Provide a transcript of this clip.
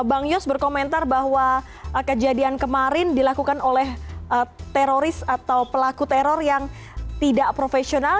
bang yos berkomentar bahwa kejadian kemarin dilakukan oleh teroris atau pelaku teror yang tidak profesional